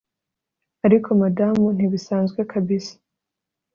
Ariko Madamu ntibisanzwe kabisa